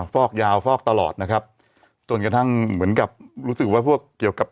ฟอกยาวฟอกตลอดนะครับจนกระทั่งเหมือนกับรู้สึกว่าพวกเกี่ยวกับ